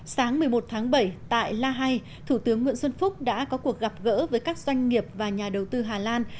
sáng một mươi một tháng bảy tại la hay thủ tướng nguyễn xuân phúc đã có cuộc gặp gỡ với các doanh nghiệp và nhà đầu tư hà lan